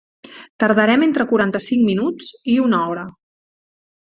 Tardarem entre quaranta-cinc minuts i una hora.